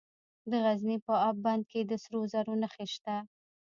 د غزني په اب بند کې د سرو زرو نښې شته.